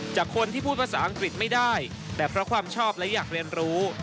จากคนที่พูดภาษาอังกฤษไม่ได้แต่เพราะความชอบและอยากเรียนรู้